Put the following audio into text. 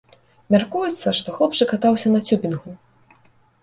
Мяркуецца, што хлопчык катаўся на цюбінгу.